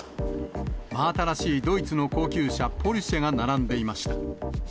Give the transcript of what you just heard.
真新しいドイツの高級車、ポルシェが並んでいました。